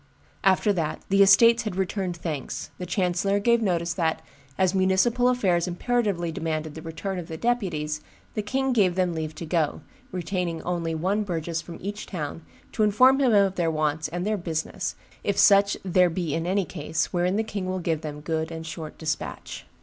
"After that the estates had returned thanks, the chancellor gave notice that, as municipal affairs imperatively demanded the return of the deputies, the king gave them leave to go, retaining only one burgess from each town, to inform him of their wants and 'their business, if such there be in any case, wherein the king will give them good and short despatch.